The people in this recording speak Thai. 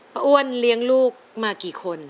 อ้วนเลี้ยงลูกมากี่คน